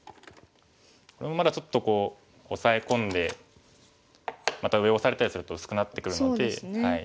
これもまだちょっとこうオサエ込んでまた上をオサれたりすると薄くなってくるので。